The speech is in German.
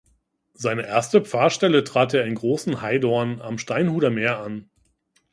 Seine erste Pfarrstelle trat er in Großenheidorn am Steinhuder Meer an.